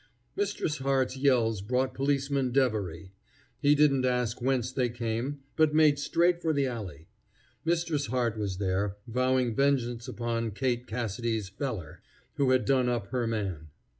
Mistress Hart's yells brought Policeman Devery. He didn't ask whence they came, but made straight for the alley. Mistress Hart was there, vowing vengeance upon "Kate Cassidy's feller," who had done up her man.